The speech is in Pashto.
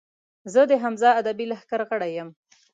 زۀ د حمزه ادبي لښکر غړے یم